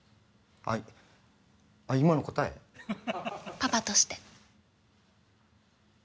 パパとして。